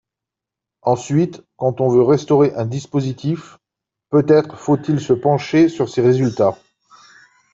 Ensuite, quand on veut restaurer un dispositif, peut-être faut-il se pencher sur ses résultats.